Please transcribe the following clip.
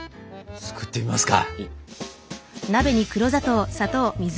作ってみますか！